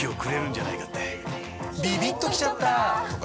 ビビッときちゃった！とか